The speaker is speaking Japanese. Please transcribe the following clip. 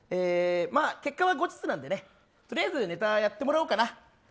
まあ結果は後日なんでねとりあえずネタやってもらおうかな。